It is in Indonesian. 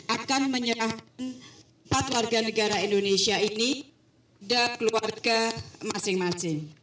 akan menyerahkan empat warga negara indonesia ini dan keluarga masing masing